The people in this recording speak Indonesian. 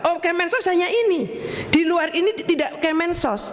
oh kemensos hanya ini di luar ini tidak kemensos